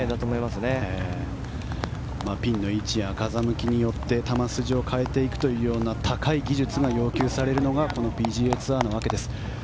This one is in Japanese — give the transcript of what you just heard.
ピンの位置や風向きによって球筋を変える高い技術が要求されるのがＰＧＡツアーなわけです。